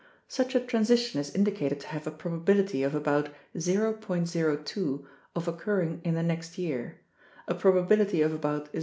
Such a transition is indicated to have a probability of about 0.02 of occurring in the next year, a probability of about 0.